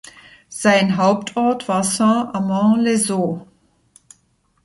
Sein Hauptort war Saint-Amand-les-Eaux.